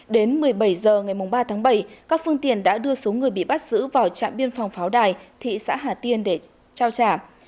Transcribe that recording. đến một mươi bảy h ngày ba tháng bảy các phương tiện đã đưa số người bị bắt giữ vào trạm biên phòng pháo đài thị xã hà tiên để trao trả